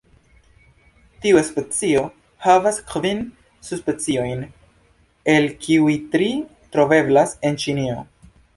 Tiu specio havas kvin subspeciojn, el kiuj tri troveblas en Ĉinio.